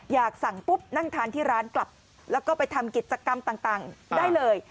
อยากสั่งปุ๊บนั่งทานที่ร้านกลับแล้วก็ไปทำกิจกรรมต่างได้เลย